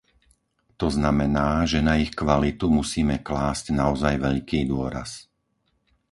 To znamená, že na ich kvalitu musíme klásť naozaj veľký dôraz.